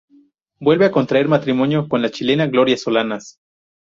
Vuelve a contraer matrimonio con la chilena Gloria Solanas.